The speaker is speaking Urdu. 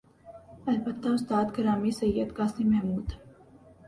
البتہ استاد گرامی سید قاسم محمود